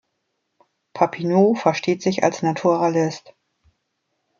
Papineau versteht sich als Naturalist.